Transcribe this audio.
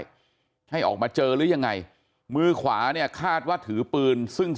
ให้ออกมาเจอหรือยังไงมือขวาเนี่ยคาดว่าถือปืนซึ่ง